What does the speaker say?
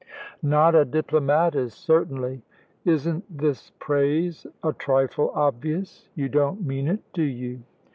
"Not a diplomatist, certainly. Isn't this praise a trifle obvious? You don't mean it, do you?"